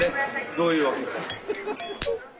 どういうわけか。